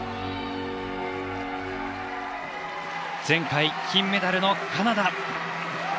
前回、金メダルのカナダ。